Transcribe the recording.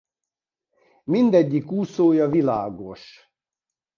Mindegyik úszója világos.